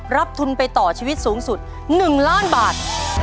รับทุนไปต่อชีวิตสูงสุด๑ล้านบาท